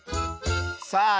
さあ